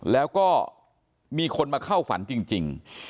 แล้วก็มีคนมาเข้าฝันจริง